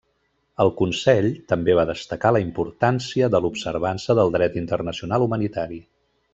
El Consell també va destacar la importància de l'observança del dret internacional humanitari.